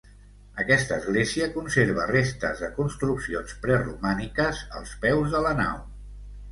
Aquesta església conserva restes de construccions preromàniques, als peus de la nau.